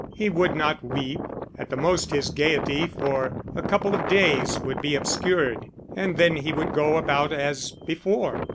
He would not weep; at the most his gaiety for a couple of days would be obscured, and then he would go about as before.